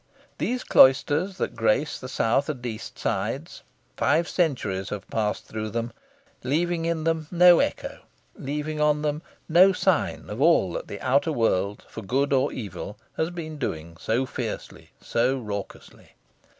These cloisters that grace the south and east sides five centuries have passed through them, leaving in them no echo, leaving on them no sign, of all that the outer world, for good or evil, has been doing so fiercely, so raucously.